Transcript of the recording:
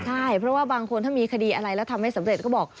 ใช่เพราะว่าบางคนถ้ามีคดีอะไรแล้วทำไม่สำเร็จก็บอก